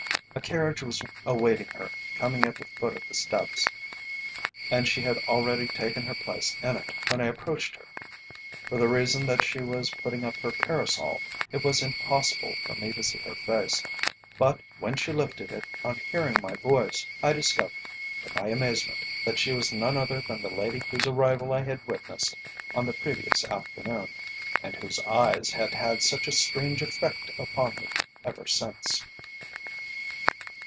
A carriage was awaiting her coming at the foot of the steps, and she had already taken her place in it when I approached her. For the reason that she was putting up her parasol, it was impossible for me to see her face, but when she lifted it on hearing my voice, I discovered, to my amazement, that she was none other than the lady whose arrival I had witnessed on the previous afternoon, and whose eyes had had such a strange effect upon me ever since.